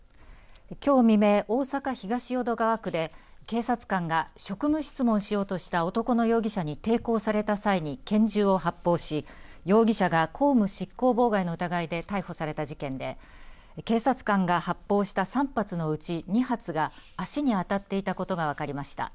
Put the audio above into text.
きょう未明、大阪市東淀川区で警察官が職務質問しようとした男の容疑者に抵抗された際に拳銃を発砲し容疑者が公務執行妨害の疑いで逮捕された事件で警察官が発砲した３発のうち２発が足に当たっていたことが分かりました。